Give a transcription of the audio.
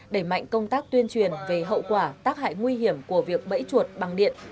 đẩy mạnh công tác tuyên truyền về hậu quả tác hại nguy hiểm của việc bẫy chuột bằng điện